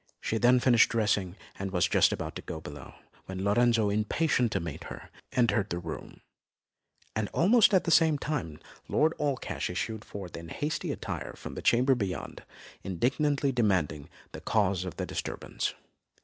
She then finished dressing, and was just about to go below, when Lorenzo, impatient to greet her, entered the room; and almost at the same time Lord Allcash issued forth in hasty attire from the chamber beyond, indignantly demanding the cause of the disturbance.